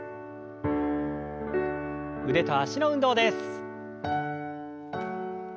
腕と脚の運動です。